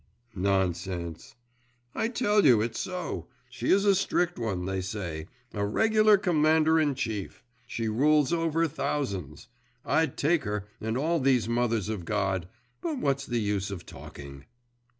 'Nonsense!' 'I tell you, it is so. She is a strict one, they say.… A regular commander in chief! She rules over thousands! I'd take her, and all these mothers of God.… But what's the use of talking?